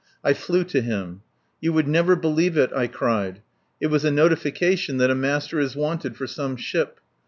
I flew to him. "You would never believe it," I cried. "It was a notification that a master is wanted for some ship.